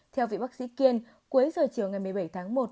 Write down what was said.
theo vị bác sĩ kiên cuối giờ chiều ngày một mươi bảy tháng một